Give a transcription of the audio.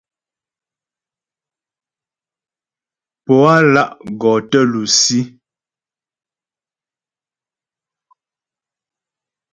Pǒ á lá' gɔ tə lusí.